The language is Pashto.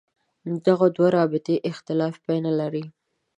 دغو دوو رابطې اختلاف پای نه لري.